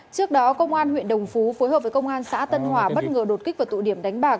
trước đó công an huyện đồng phú phối hợp với công an xã tân hòa bất ngờ đột kích vào tụ điểm đánh bạc